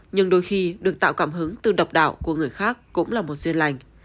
nhưng đôi khi được tạo cảm hứng từ độc đạo của người khác cũng là một duyên lành